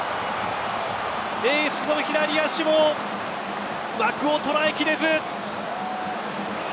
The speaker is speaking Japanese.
エースの左足も枠を捉え切れず。